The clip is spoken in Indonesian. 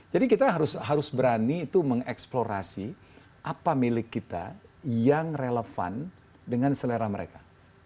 jadi kita harus berani itu mengeksplorasi apa milik kita yang relevan dengan selera mereka